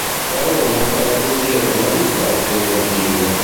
Da Roma, però, giungevano risposte negative.